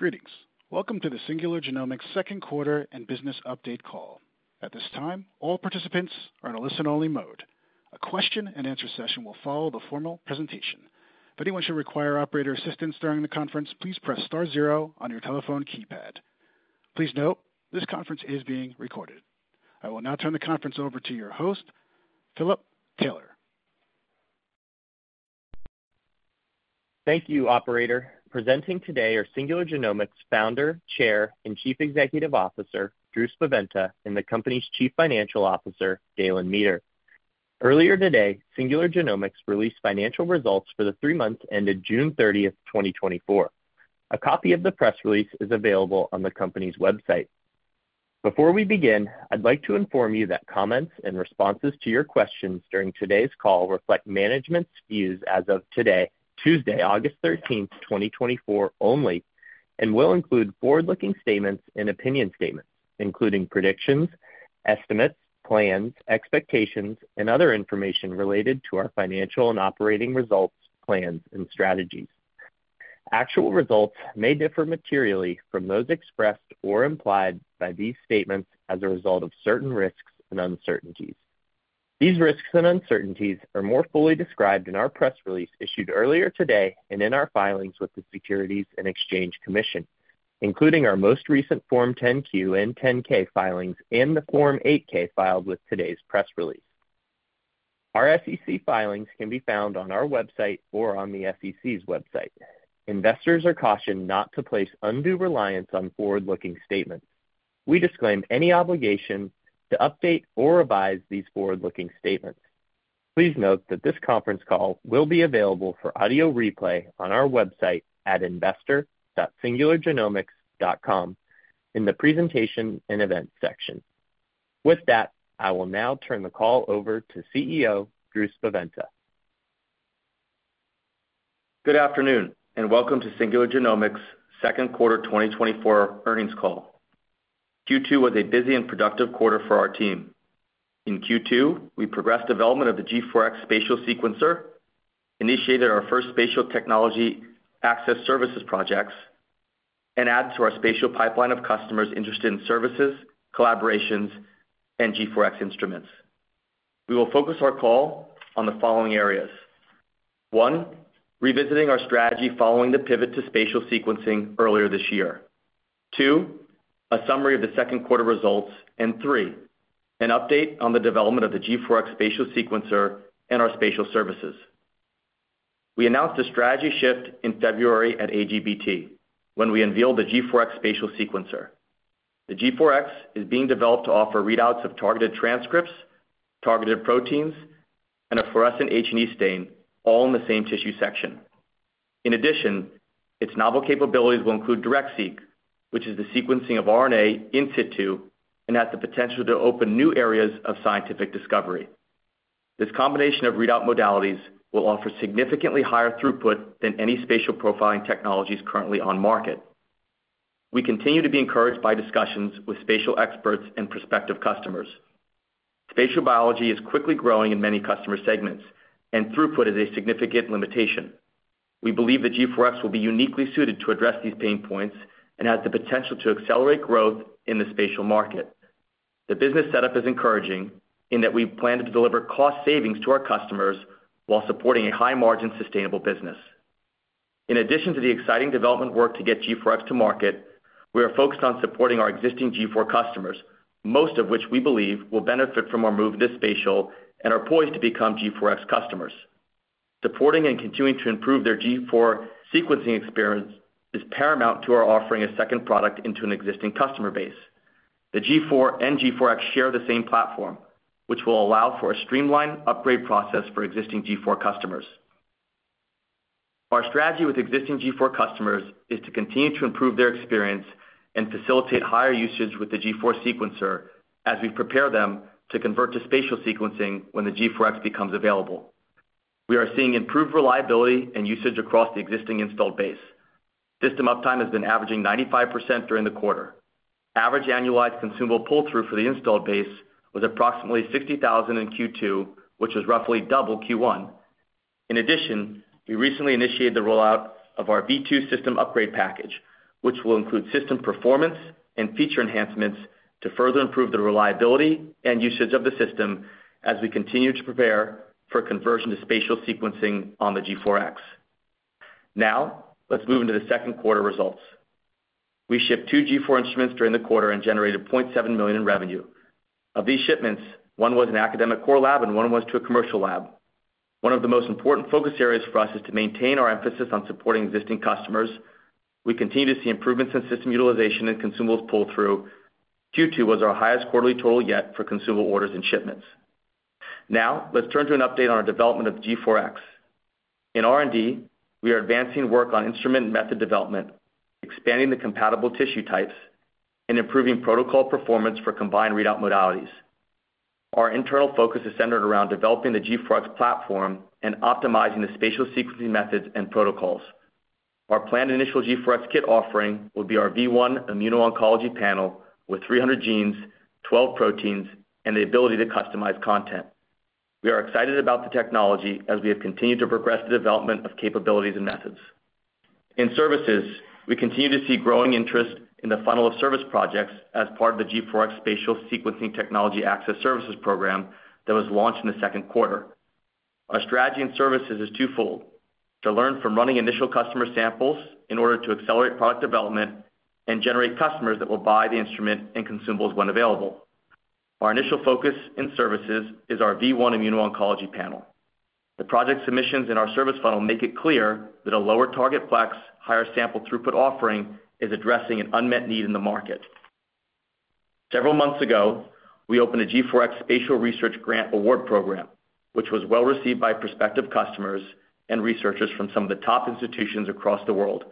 Greetings. Welcome to the Singular Genomics Second Quarter and Business update call. At this time, all participants are in a listen-only mode. A question-and-answer session will follow the formal presentation. If anyone should require operator assistance during the conference, please press star zero on your telephone keypad. Please note, this conference is being recorded. I will now turn the conference over to your host, Philip Taylor. Thank you, operator. Presenting today are Singular Genomics Founder, Chair, and Chief Executive Officer, Drew Spaventa, and the company's Chief Financial Officer, Dalen Meeter. Earlier today, Singular Genomics released financial results for the three months ended June 30, 2024. A copy of the press release is available on the company's website. Before we begin, I'd like to inform you that comments and responses to your questions during today's call reflect management's views as of today, Tuesday, August 13, 2024 only, and will include forward-looking statements and opinion statements, including predictions, estimates, plans, expectations, and other information related to our financial and operating results, plans, and strategies. Actual results may differ materially from those expressed or implied by these statements as a result of certain risks and uncertainties. These risks and uncertainties are more fully described in our press release issued earlier today and in our filings with the Securities and Exchange Commission, including our most recent Form 10-Q and 10-K filings, and the Form 8-K filed with today's press release. Our SEC filings can be found on our website or on the SEC's website. Investors are cautioned not to place undue reliance on forward-looking statements. We disclaim any obligation to update or revise these forward-looking statements. Please note that this conference call will be available for audio replay on our website at investor.singulargenomics.com in the Presentation and Events section. With that, I will now turn the call over to CEO Drew Spaventa. Good afternoon, and welcome to Singular Genomics' second quarter 2024 earnings call. Q2 was a busy and productive quarter for our team. In Q2, we progressed development of the G4X spatial sequencer, initiated our first spatial technology access services projects, and added to our spatial pipeline of customers interested in services, collaborations, and G4X instruments. We will focus our call on the following areas: 1, revisiting our strategy following the pivot to spatial sequencing earlier this year. 2, a summary of the second quarter results. And 3, an update on the development of the G4X spatial sequencer and our spatial services. We announced a strategy shift in February at AGBT, when we unveiled the G4X spatial sequencer. The G4X is being developed to offer readouts of targeted transcripts, targeted proteins, and a fluorescent H&E stain, all in the same tissue section. In addition, its novel capabilities will include Direct-Seq, which is the sequencing of RNA in situ and has the potential to open new areas of scientific discovery. This combination of readout modalities will offer significantly higher throughput than any spatial profiling technologies currently on market. We continue to be encouraged by discussions with spatial experts and prospective customers. Spatial biology is quickly growing in many customer segments, and throughput is a significant limitation. We believe the G4X will be uniquely suited to address these pain points and has the potential to accelerate growth in the spatial market. The business setup is encouraging in that we plan to deliver cost savings to our customers while supporting a high-margin, sustainable business. In addition to the exciting development work to get G4X to market, we are focused on supporting our existing G4 customers, most of which we believe will benefit from our move to spatial and are poised to become G4X customers. Supporting and continuing to improve their G4 sequencing experience is paramount to our offering a second product into an existing customer base. The G4 and G4X share the same platform, which will allow for a streamlined upgrade process for existing G4 customers. Our strategy with existing G4 customers is to continue to improve their experience and facilitate higher usage with the G4 sequencer as we prepare them to convert to spatial sequencing when the G4X becomes available. We are seeing improved reliability and usage across the existing installed base. System uptime has been averaging 95% during the quarter. Average annualized consumable pull-through for the installed base was approximately $60,000 in Q2, which is roughly double Q1. In addition, we recently initiated the rollout of our V2 System Upgrade Package, which will include system performance and feature enhancements to further improve the reliability and usage of the system as we continue to prepare for conversion to spatial sequencing on the G4X. Now, let's move into the second quarter results. We shipped 2 G4 instruments during the quarter and generated $0.7 million in revenue. Of these shipments, 1 was an academic core lab and 1 was to a commercial lab. One of the most important focus areas for us is to maintain our emphasis on supporting existing customers. We continue to see improvements in system utilization and consumables pull-through. Q2 was our highest quarterly total yet for consumable orders and shipments. Now, let's turn to an update on our development of G4X. In R&D, we are advancing work on instrument method development, expanding the compatible tissue types, and improving protocol performance for combined readout modalities. Our internal focus is centered around developing the G4X platform and optimizing the spatial sequencing methods and protocols. Our planned initial G4X kit offering will be our V1 Immuno-Oncology panel with 300 genes, 12 proteins, and the ability to customize content. We are excited about the technology as we have continued to progress the development of capabilities and methods. In services, we continue to see growing interest in the funnel of service projects as part of the G4X Spatial Sequencing Technology Access Services program that was launched in the second quarter. Our strategy in services is twofold: to learn from running initial customer samples in order to accelerate product development and generate customers that will buy the instrument and consumables when available. Our initial focus in services is our V1 Immuno-Oncology Panel. The project submissions in our service funnel make it clear that a lower target plex, higher sample throughput offering is addressing an unmet need in the market. Several months ago, we opened a G4X Spatial Research Grant Award Program, which was well received by prospective customers and researchers from some of the top institutions across the world.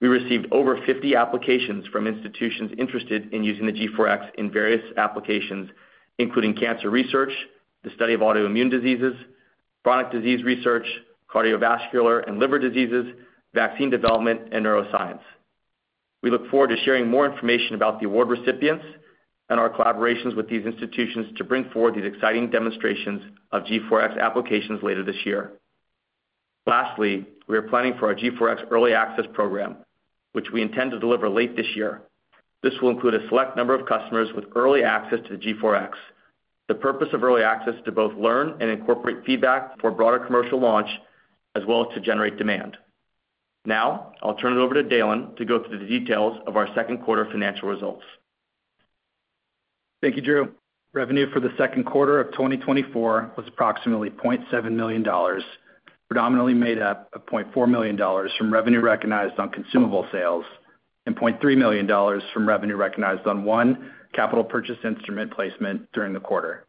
We received over 50 applications from institutions interested in using the G4X in various applications, including cancer research, the study of autoimmune diseases, chronic disease research, cardiovascular and liver diseases, vaccine development, and neuroscience. We look forward to sharing more information about the award recipients and our collaborations with these institutions to bring forward these exciting demonstrations of G4X applications later this year. Lastly, we are planning for our G4X Early Access Program, which we intend to deliver late this year. This will include a select number of customers with early access to the G4X. The purpose of early access is to both learn and incorporate feedback for broader commercial launch, as well as to generate demand. Now I'll turn it over to Dalen to go through the details of our second quarter financial results. Thank you, Drew. Revenue for the second quarter of 2024 was approximately $0.7 million, predominantly made up of $0.4 million from revenue recognized on consumable sales and $0.3 million from revenue recognized on one capital purchase instrument placement during the quarter.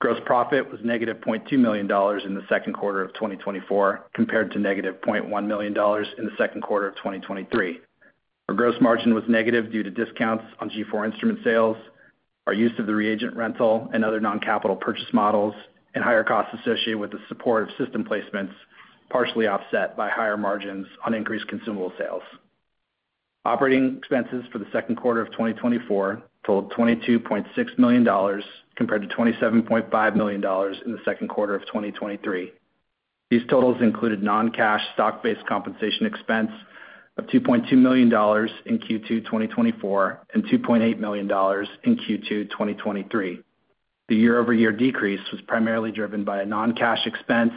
Gross profit was -$0.2 million in the second quarter of 2024, compared to -$0.1 million in the second quarter of 2023. Our gross margin was negative due to discounts on G4 instrument sales, our use of the reagent rental and other non-capital purchase models, and higher costs associated with the support of system placements, partially offset by higher margins on increased consumable sales. Operating expenses for the second quarter of 2024 totaled $22.6 million, compared to $27.5 million in the second quarter of 2023. These totals included non-cash stock-based compensation expense of $2.2 million in Q2 2024 and $2.8 million in Q2 2023. The year-over-year decrease was primarily driven by a non-cash expense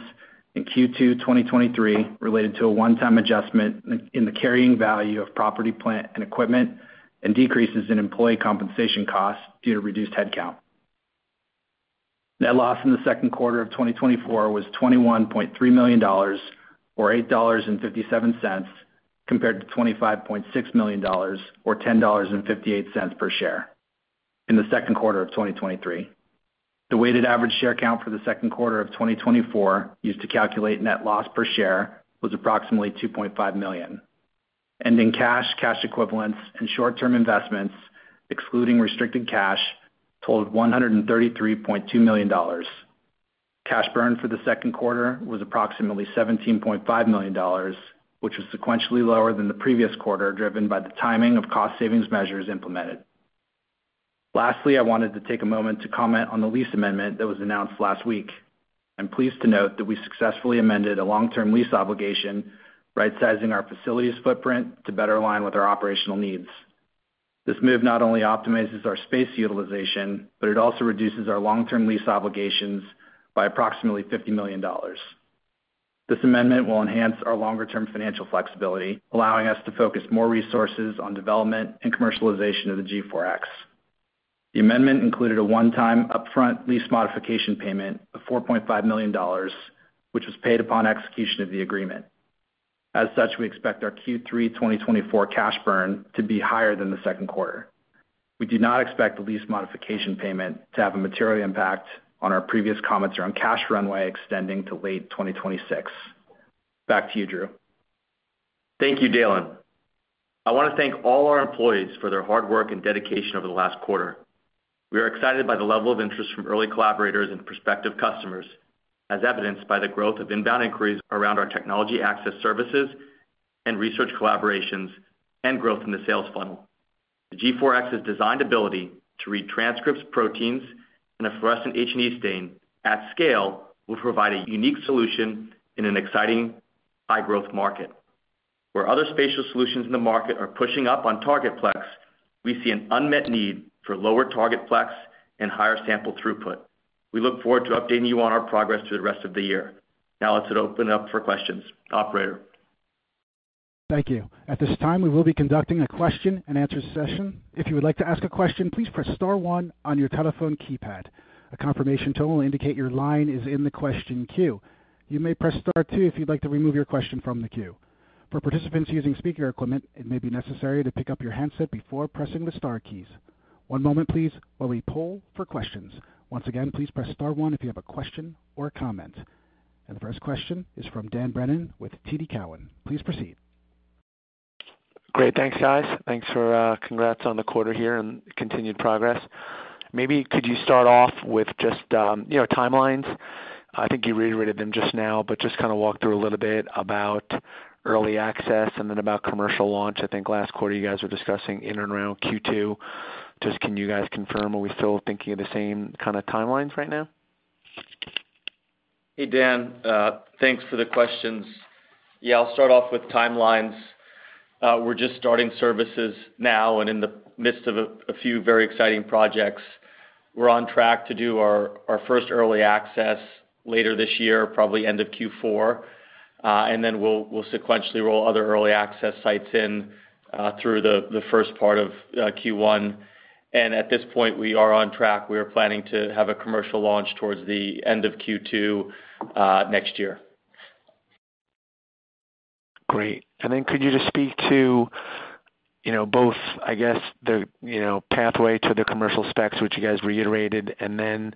in Q2 2023, related to a one-time adjustment in the carrying value of property, plant, and equipment, and decreases in employee compensation costs due to reduced headcount. Net loss in the second quarter of 2024 was $21.3 million, or $8.57, compared to $25.6 million, or $10.58 per share in the second quarter of 2023. The weighted average share count for the second quarter of 2024, used to calculate net loss per share, was approximately 2.5 million. Ending cash, cash equivalents, and short-term investments, excluding restricted cash, totaled $133.2 million. Cash burn for the second quarter was approximately $17.5 million, which was sequentially lower than the previous quarter, driven by the timing of cost savings measures implemented. Lastly, I wanted to take a moment to comment on the lease amendment that was announced last week. I'm pleased to note that we successfully amended a long-term lease obligation, rightsizing our facilities footprint to better align with our operational needs. This move not only optimizes our space utilization, but it also reduces our long-term lease obligations by approximately $50 million. This amendment will enhance our longer-term financial flexibility, allowing us to focus more resources on development and commercialization of the G4X. The amendment included a one-time upfront lease modification payment of $4.5 million, which was paid upon execution of the agreement. As such, we expect our Q3 2024 cash burn to be higher than the second quarter. We do not expect the lease modification payment to have a material impact on our previous comments around cash runway extending to late 2026. Back to you, Drew. Thank you, Dalen. I want to thank all our employees for their hard work and dedication over the last quarter. We are excited by the level of interest from early collaborators and prospective customers, as evidenced by the growth of inbound inquiries around our technology access services and research collaborations and growth in the sales funnel. The G4X's designed ability to read transcripts, proteins, and a fluorescent H&E stain at scale will provide a unique solution in an exciting, high-growth market. Where other spatial solutions in the market are pushing up on target plex, we see an unmet need for lower target plex and higher sample throughput. We look forward to updating you on our progress through the rest of the year. Now, let's open it up for questions. Operator? Thank you. At this time, we will be conducting a question-and-answer session. If you would like to ask a question, please press star one on your telephone keypad. A confirmation tone will indicate your line is in the question queue. You may press star two if you'd like to remove your question from the queue. For participants using speaker equipment, it may be necessary to pick up your handset before pressing the star keys. One moment, please, while we poll for questions. Once again, please press star one if you have a question or a comment. And the first question is from Dan Brennan with TD Cowen. Please proceed. Great. Thanks, guys. Thanks for congrats on the quarter here and continued progress. Maybe could you start off with just, you know, timelines? I think you reiterated them just now, but just kind of walk through a little bit about early access and then about commercial launch. I think last quarter, you guys were discussing in and around Q2. Just, can you guys confirm, are we still thinking of the same kind of timelines right now? Hey, Dan, thanks for the questions. Yeah, I'll start off with timelines. We're just starting services now, and in the midst of a few very exciting projects. We're on track to do our first early access later this year, probably end of Q4. And then we'll sequentially roll other early access sites in through the first part of Q1. And at this point, we are on track. We are planning to have a commercial launch towards the end of Q2 next year. Great. And then could you just speak to, you know, both, I guess, the, you know, pathway to the commercial specs, which you guys reiterated, and then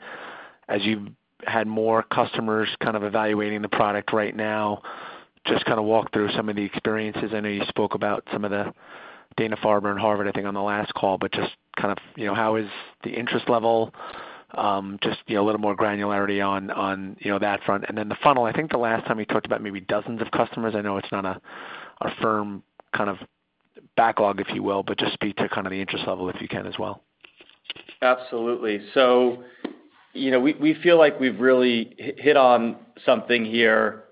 as you've had more customers kind of evaluating the product right now, just kind of walk through some of the experiences. I know you spoke about some of the Dana-Farber and Harvard, I think, on the last call, but just kind of, you know, how is the interest level? Just, you know, a little more granularity on, on, you know, that front. And then the funnel, I think the last time we talked about maybe dozens of customers, I know it's not a firm kind of backlog, if you will, but just speak to kind of the interest level, if you can, as well. Absolutely. So, you know, we feel like we've really hit on something here,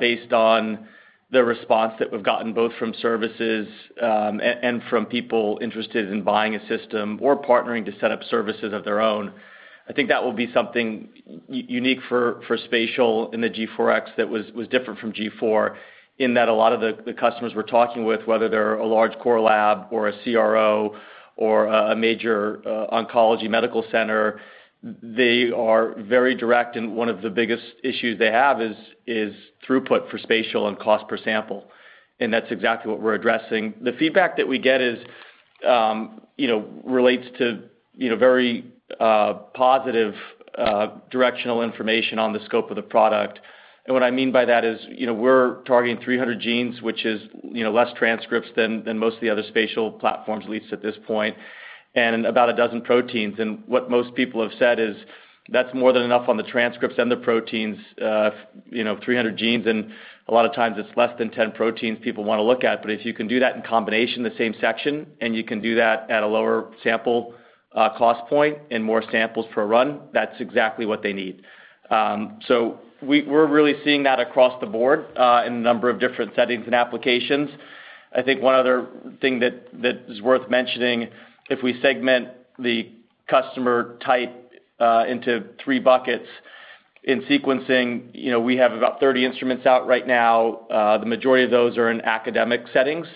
based on the response that we've gotten, both from services and from people interested in buying a system or partnering to set up services of their own. I think that will be something unique for spatial in the G4X that was different from G4, in that a lot of the customers we're talking with, whether they're a large core lab or a CRO or a major oncology medical center, they are very direct, and one of the biggest issues they have is throughput for spatial and cost per sample, and that's exactly what we're addressing. The feedback that we get is, you know, relates to very positive directional information on the scope of the product. And what I mean by that is, you know, we're targeting 300 genes, which is, you know, less transcripts than, than most of the other spatial platforms, at least at this point, and about 12 proteins. And what most people have said is that's more than enough on the transcripts and the proteins. You know, 300 genes, and a lot of times it's less than 10 proteins people wanna look at. But if you can do that in combination, the same section, and you can do that at a lower sample, cost point and more samples per run, that's exactly what they need. So we're really seeing that across the board, in a number of different settings and applications. I think one other thing that is worth mentioning, if we segment the customer type into three buckets, in sequencing, you know, we have about 30 instruments out right now. The majority of those are in academic settings.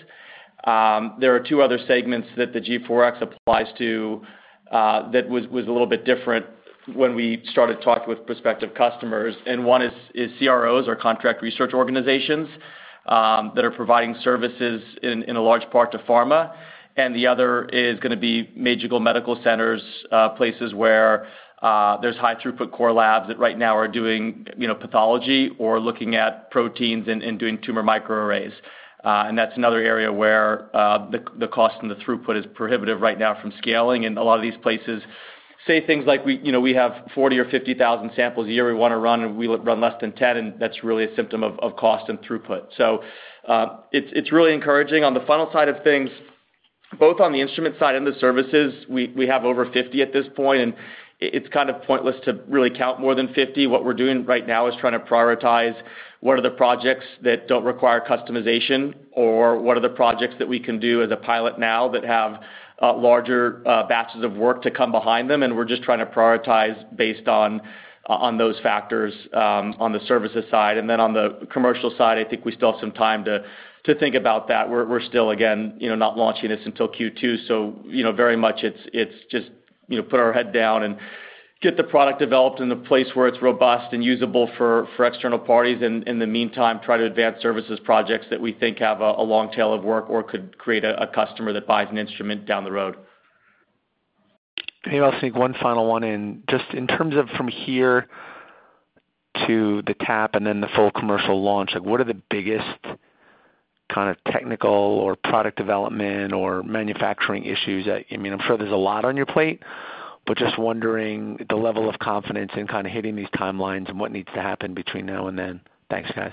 There are two other segments that the G4X applies to that was a little bit different when we started talking with prospective customers, and one is CROs, or contract research organizations, that are providing services in a large part to pharma. And the other is gonna be major medical centers, places where there's high-throughput core labs that right now are doing, you know, pathology or looking at proteins and doing tumor microarrays. And that's another area where the cost and the throughput is prohibitive right now from scaling. A lot of these places say things like, you know, "We have 40 or 50,000 samples a year we wanna run, and we run less than 10," and that's really a symptom of cost and throughput. So, it's really encouraging. On the funnel side of things, both on the instrument side and the services, we have over 50 at this point, and it's kind of pointless to really count more than 50. What we're doing right now is trying to prioritize what are the projects that don't require customization, or what are the projects that we can do as a pilot now that have larger batches of work to come behind them, and we're just trying to prioritize based on those factors, on the services side. And then on the commercial side, I think we still have some time to think about that. We're still, again, you know, not launching this until Q2, so, you know, very much it's just, you know, put our head down and get the product developed in a place where it's robust and usable for external parties. And in the meantime, try to advance services projects that we think have a long tail of work or could create a customer that buys an instrument down the road. Maybe I'll sneak one final one in. Just in terms of from here to the G4X and then the full commercial launch, like, what are the biggest kind of technical or product development or manufacturing issues that... I mean, I'm sure there's a lot on your plate, but just wondering the level of confidence in kind of hitting these timelines and what needs to happen between now and then. Thanks, guys.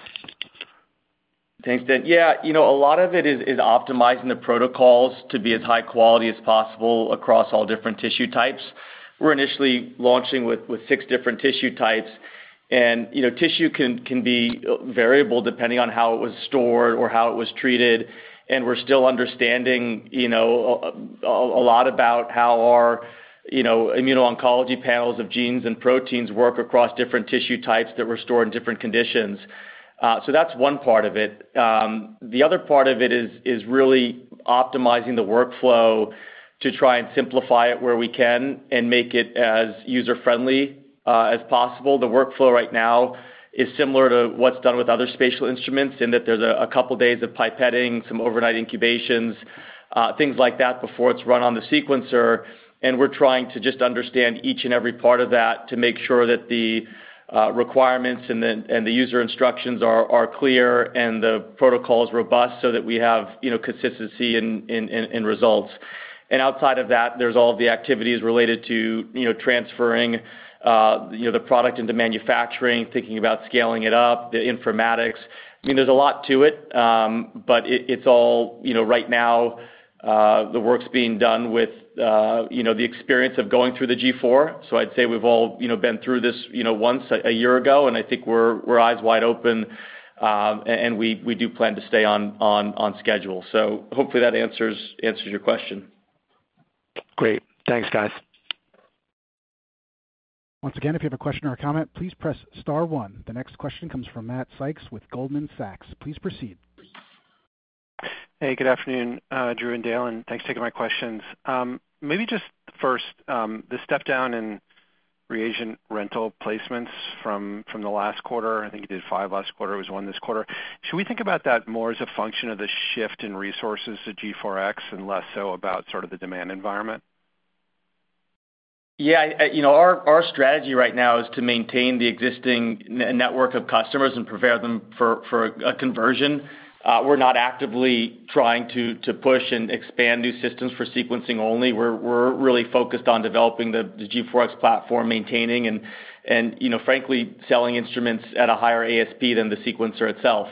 Thanks, Dan. Yeah, you know, a lot of it is optimizing the protocols to be as high quality as possible across all different tissue types. We're initially launching with 6 different tissue types, and you know, tissue can be variable depending on how it was stored or how it was treated, and we're still understanding you know, a lot about how our immuno-oncology panels of genes and proteins work across different tissue types that were stored in different conditions. So that's one part of it. The other part of it is really optimizing the workflow to try and simplify it where we can and make it as user-friendly as possible. The workflow right now is similar to what's done with other spatial instruments, in that there's a couple days of pipetting, some overnight incubations, things like that, before it's run on the sequencer. And we're trying to just understand each and every part of that to make sure that the requirements and the user instructions are clear and the protocol is robust, so that we have, you know, consistency in results. And outside of that, there's all of the activities related to, you know, transferring, you know, the product into manufacturing, thinking about scaling it up, the informatics. I mean, there's a lot to it, but it, it's all, you know, right now, the work's being done with, you know, the experience of going through the G4. So I'd say we've all, you know, been through this, you know, once a year ago, and I think we're eyes wide open, and we do plan to stay on schedule. So hopefully that answers your question. Great. Thanks, guys. Once again, if you have a question or a comment, please press star one. The next question comes from Matt Sykes with Goldman Sachs. Please proceed. Hey, good afternoon, Drew and Dalen. Thanks for taking my questions. Maybe just first, the step-down in reagent rental placements from, from the last quarter, I think you did 5 last quarter, it was 1 this quarter. Should we think about that more as a function of the shift in resources to G4X and less so about sort of the demand environment? Yeah, you know, our strategy right now is to maintain the existing network of customers and prepare them for a conversion. We're not actively trying to push and expand new systems for sequencing only. We're really focused on developing the G4X platform, maintaining and, you know, frankly, selling instruments at a higher ASP than the sequencer itself.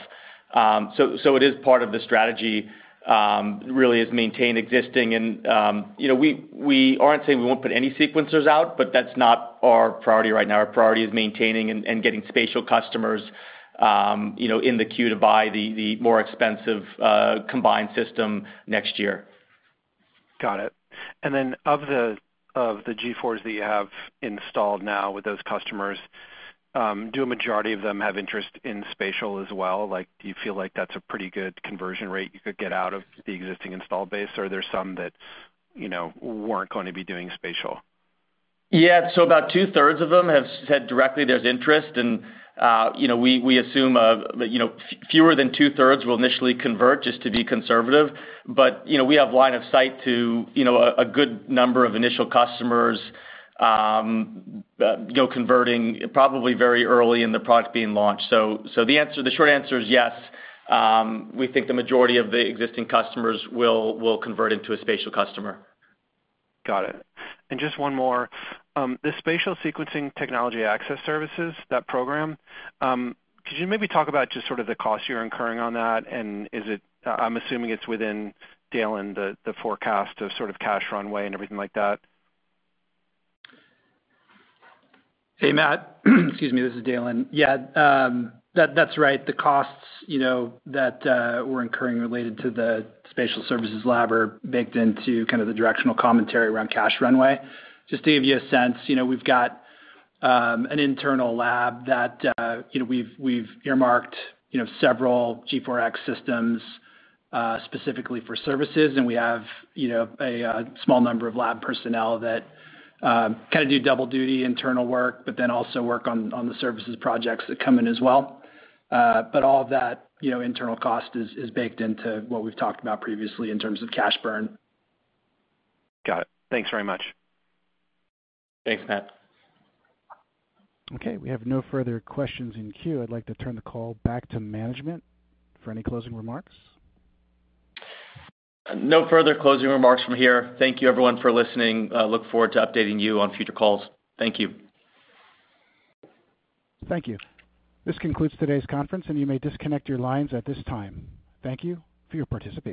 So, it is part of the strategy, really is maintain existing and, you know, we aren't saying we won't put any sequencers out, but that's not our priority right now. Our priority is maintaining and getting spatial customers, you know, in the queue to buy the more expensive combined system next year. Got it. And then of the G4s that you have installed now with those customers, do a majority of them have interest in spatial as well? Like, do you feel like that's a pretty good conversion rate you could get out of the existing installed base, or are there some that, you know, weren't going to be doing spatial? Yeah, so about two-thirds of them have said directly there's interest and, you know, we assume, you know, fewer than two-thirds will initially convert, just to be conservative. But, you know, we have line of sight to, you know, a good number of initial customers go converting probably very early in the product being launched. So the answer, the short answer is yes, we think the majority of the existing customers will convert into a spatial customer. Got it. And just one more. The Spatial Sequencing Technology Access Services, that program, could you maybe talk about just sort of the costs you're incurring on that? And is it... I'm assuming it's within Dalen, the forecast of sort of cash runway and everything like that. Hey, Matt. Excuse me. This is Dalen. Yeah, that's right. The costs, you know, that we're incurring related to the Spatial Services lab are baked into kind of the directional commentary around cash runway. Just to give you a sense, you know, we've got an internal lab that, you know, we've earmarked, you know, several G4X systems specifically for services, and we have, you know, a small number of lab personnel that kind of do double duty internal work, but then also work on the services projects that come in as well. But all of that, you know, internal cost is baked into what we've talked about previously in terms of cash burn. Got it. Thanks very much. Thanks, Matt. Okay, we have no further questions in queue. I'd like to turn the call back to management for any closing remarks. No further closing remarks from here. Thank you, everyone, for listening. Look forward to updating you on future calls. Thank you. Thank you. This concludes today's conference, and you may disconnect your lines at this time. Thank you for your participation.